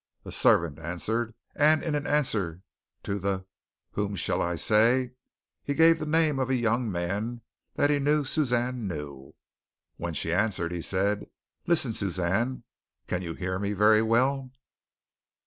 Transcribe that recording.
A servant answered, and in answer to the "who shall I say" he gave the name of a young man that he knew Suzanne knew. When she answered he said: "Listen, Suzanne! Can you hear very well?"